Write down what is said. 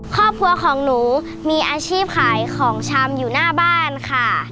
ครอบครัวของหนูมีอาชีพขายของชำอยู่หน้าบ้านค่ะ